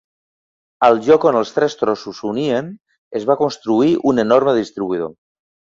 Al lloc on els tres trossos s'unien es va construir un enorme distribuïdor.